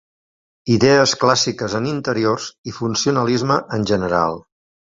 Idees clàssiques en interiors i funcionalisme en general.